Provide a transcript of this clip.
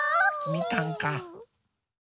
みかんか。